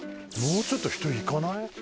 もうちょっと人行かない？